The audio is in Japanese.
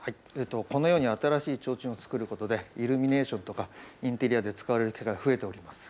このように新しいちょうちんを作ることで、イルミネーションとか、インテリアで使われる機会が増えております。